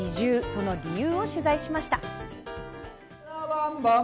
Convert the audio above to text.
その理由を取材しました。